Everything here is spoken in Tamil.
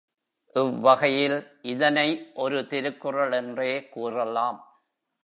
இவ்வகையில் இதனை ஒரு திருக்குறள் என்றே கூறலாம்.